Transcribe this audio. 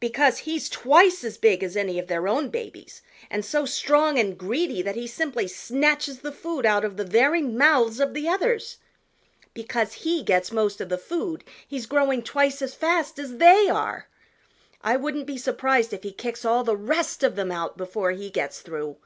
"Because he's twice as big as any of their own babies and so strong and greedy that he simply snatches the food out of the very mouths of the others. Because he gets most of the food, he's growing twice as fast as they are. I wouldn't be surprised if he kicks all the rest of them out before he gets through.